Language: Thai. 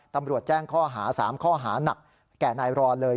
ตำรวจแจ้งข้อหา๓ข้อหานักแก่นายรอนเลย